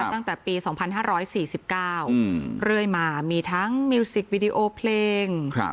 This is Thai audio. ตั้งแต่ปี๒๕๔๙เรื่อยมามีทั้งมิวสิกวิดีโอเพลง